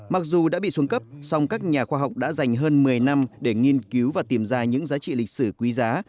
mặc dù đã bị xuống cấp song các nhà khoa học đã dành hơn một mươi năm để nghiên cứu và tìm ra những giá trị lịch sử quý giá